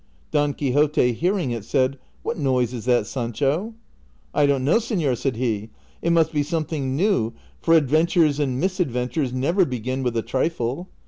Don Quixote, hearing it, said, " What noise is that, Sancho ?"" I don't know, senor," said he ;" it must be something new, for adventures and misadventures never begin with a trifle."